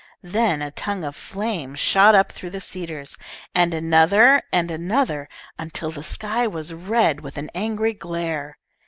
Then a tongue of flame shot up through the cedars, and another and another until the sky was red with an angry glare.